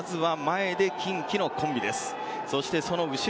まずは前で近畿のコンビです。